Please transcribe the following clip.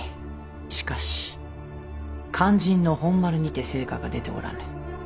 しかし肝心の本丸にて成果が出ておらぬ。